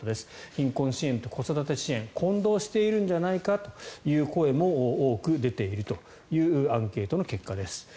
貧困支援と子育て支援混同しているんじゃないかという声も多く出ているというアンケートの結果です。